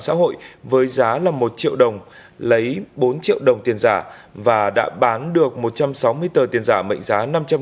xã hội với giá là một triệu đồng lấy bốn triệu đồng tiền giả và đã bán được một trăm sáu mươi tờ tiền giả mệnh giá